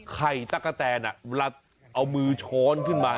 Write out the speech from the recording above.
ตะกะแตนเวลาเอามือช้อนขึ้นมา